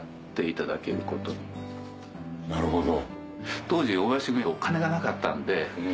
なるほど。